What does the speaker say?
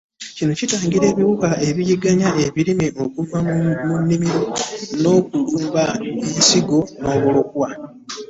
Kino kitangira ebiwuka ebiyigganya ebirime okuva mu nnimiro, okulumba ensigo n’obulokwa.